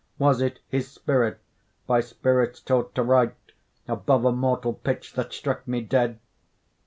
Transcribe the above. Was it his spirit, by spirits taught to write, Above a mortal pitch, that struck me dead?